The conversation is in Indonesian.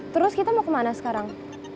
terus kita mau kemana sekarang